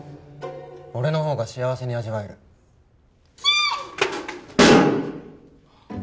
俺の方が幸せに味わえるキー！